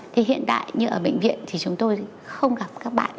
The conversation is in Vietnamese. thì hiện tại như ở bệnh viện thì chúng tôi không gặp các bạn